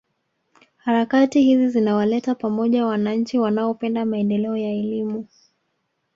Harakati hizi zinawaleta pamoja wananchi wanaopenda maendeleo ya elimu